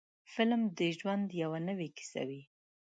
فلم د ژوند یوه نوې کیسه وي.